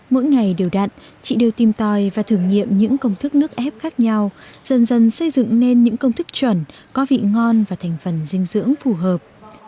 mỗi ngày đều đặn chị đều tìm tòi và thử nghiệm những công thức nước ép khác nhau dần dần xây dựng nên những công thức chuẩn có vị ngon và thành phần dinh dưỡng phù hợp